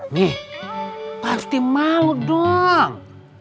mi pasti malu dong